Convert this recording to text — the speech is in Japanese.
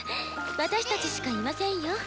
私たちしかいませんよ。